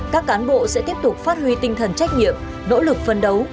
các cán bộ sẽ tiếp tục phát huy tinh thần trách nhiệm nỗ lực phân đấu